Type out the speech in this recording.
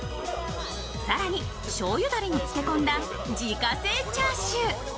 更にしょうゆだれに漬け込んだ自家製チャーシュー。